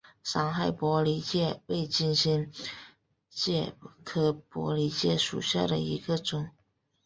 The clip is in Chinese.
三害玻璃介为金星介科玻璃介属下的一个种。